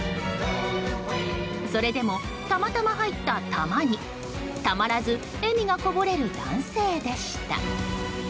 それでもたまたま入った「たま」に「たま」らず笑みがこぼれる男性でした。